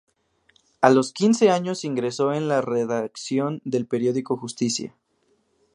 A los quince años ingresó en la redacción del periódico "Justicia".